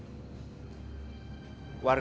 mereka tidak ada yang menjaga ular itu